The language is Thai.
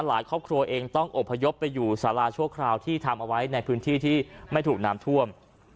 ครอบครัวเองต้องอบพยพไปอยู่สาราชั่วคราวที่ทำเอาไว้ในพื้นที่ที่ไม่ถูกน้ำท่วม